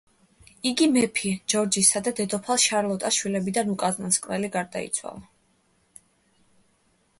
იგი მეფე ჯორჯისა და დედოფალ შარლოტას შვილებიდან უკანასკნელი გარდაიცვალა.